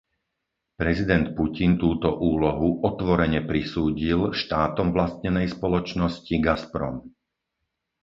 Prezident Putin túto úlohu otvorene prisúdil štátom vlastnenej spoločnosti Gazprom.